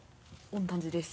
同じです。